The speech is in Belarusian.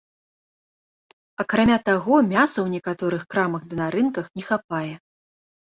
Акрамя таго, мяса ў некаторых крамах ды на рынках не хапае.